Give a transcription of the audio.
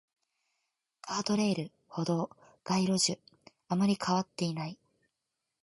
ガードレール、歩道、街路樹、あまり変わっていない